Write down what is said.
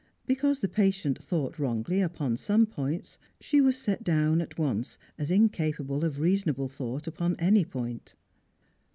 Because the patient thought wrongly upon some points, she was set down at once as incapable of reasonable thought upon any point.